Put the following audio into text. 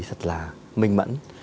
thật là minh mẫn